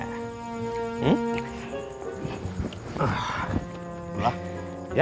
kita bisa atur buat ke depannya